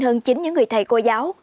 hơn chính những người thầy cô giáo